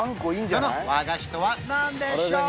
その和菓子とは何でしょう？